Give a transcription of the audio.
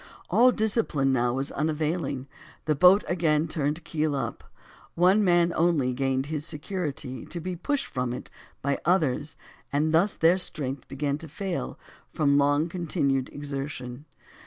All discipline was now unavailing, the boat again turned keel up; one man only gained his security to be pushed from it by others and thus their strength begun to fail from long continued exertion.